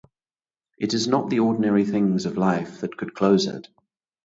It is not the ordinary things of life that could close it.